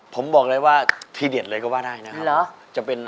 ผมบอกเลยว่าทีเดียดเลยก็ว่าได้นะครับจะเป็นอ๋อ